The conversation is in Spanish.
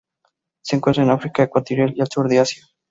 Se encuentra en África ecuatorial y Sur de Asia.